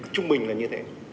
trung bình là như thế